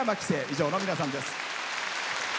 以上の皆さんです。